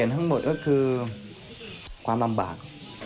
ตั้งหมดความลามบาก